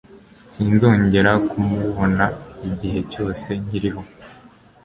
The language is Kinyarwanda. Sinzongera kumubona igihe cyose nkiriho.